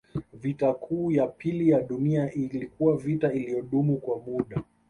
Vita Kuu ya Pili ya Dunia ilikuwa vita iliyodumu kwa muda